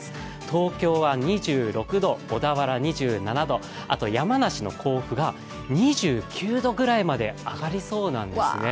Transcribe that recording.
東京は２６度、小田原２７度、あと山梨の甲府は２９度くらいまで上がりそうなんですね。